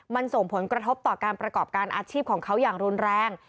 มันส่งผลกระทบต่อการประกอบการอาชีพของเขาอย่างรุนแรง